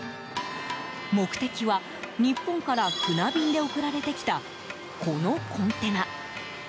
目的は、日本から船便で送られてきたこのコンテナ。